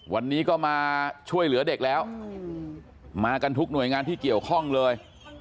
วันนี้ก็มาช่วยเหลือเด็กแล้วมากันทุกหน่วยงานที่เกี่ยวข้องเลย